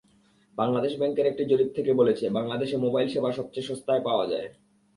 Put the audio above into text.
Bangladesh bank একটি জরিপ থেকে বলেছে, বাংলাদেশে মোবাইল সেবা সবচেয়ে সস্তায় পাওয়া যায়।